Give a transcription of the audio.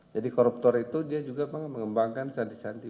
jadi koruptor itu dia juga mengembangkan sandi sandi